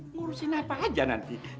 ngurusin apa aja nanti